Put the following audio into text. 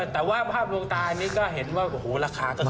แต่ว่าภาพลวกตานี่ก็เห็นว่าระคาก็คิดดี